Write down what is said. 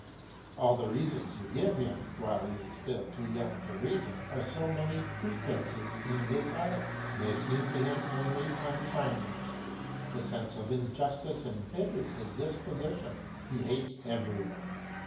All the reasons you give him, while he is still too young to reason, are so many pretences in his eyes; they seem to him only unkindness; the sense of injustice embitters his disposition; he hates every one.